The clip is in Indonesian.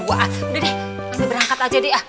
udah deh berangkat aja deh ah